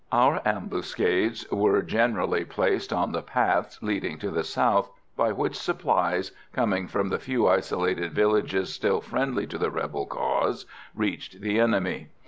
Our ambuscades were generally placed on the paths leading to the south by which supplies, coming from the few isolated villages still friendly to the rebel cause, reached the enemy.